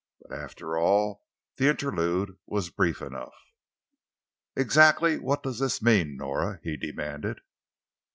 But, after all, the interlude was brief enough. "Exactly what does this mean, Nora?" he demanded.